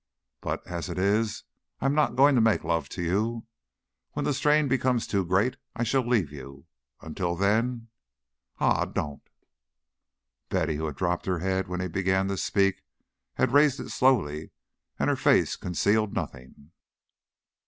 But as it is I am not going to make love to you. When the strain becomes too great, I shall leave you. Until then Ah, don't!" Betty, who had dropped her head when he began to speak, had raised it slowly, and her face concealed nothing.